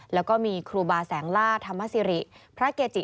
แล้วก็มีครูบาแสงล่าธรรมสิริพระเกจิ